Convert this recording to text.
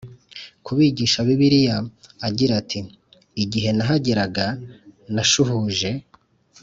Kubigisha bibiliya agira ati igihe nahageraga nashuhuje